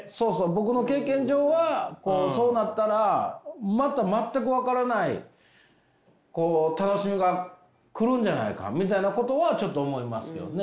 僕の経験上はそうなったらまた全く分からない楽しみが来るんじゃないかみたいなことはちょっと思いますけどね。